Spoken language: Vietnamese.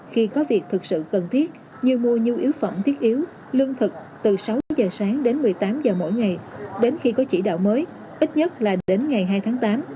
khi có việc thực sự cần thiết như mua nhu yếu phẩm thiết yếu lương thực từ sáu giờ sáng đến một mươi tám h mỗi ngày đến khi có chỉ đạo mới ít nhất là đến ngày hai tháng tám